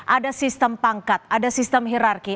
ada sistem pangkat ada sistem hirarki